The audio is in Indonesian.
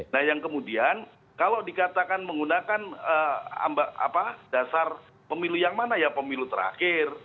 nah yang kemudian kalau dikatakan menggunakan dasar pemilu yang mana ya pemilu terakhir